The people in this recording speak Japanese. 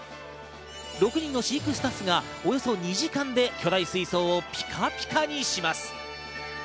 ６人の飼育スタッフがおよそ２時間で巨大水槽をピカピカにします。